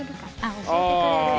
あ教えてくれる。